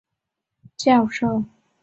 西南交通大学教授。